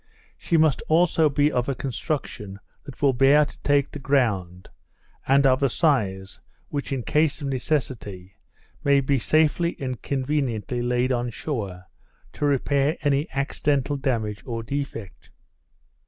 She must also be of a construction that will bear to take the ground; and of a size, which in case of necessity, may be safely and conveniently laid on shore, to repair any accidental damage or defect.